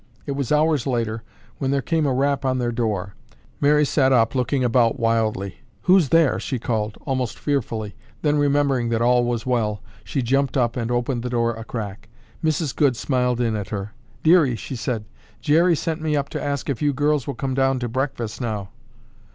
It was hours later when there came a rap on their door. Mary sat up looking about wildly. "Who's there?" she called, almost fearfully, then remembering that all was well, she jumped up and opened the door a crack. Mrs. Goode smiled in at her. "Dearie," she said, "Jerry sent me up to ask if you girls will come down to breakfast now."